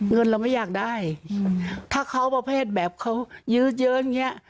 เงินเราไม่อยากได้ถ้าเขาประเภทแบบเขายื้อเยอะอย่างเงี้ย